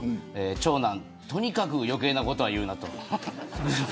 長男とにかく余計なことは言うなと。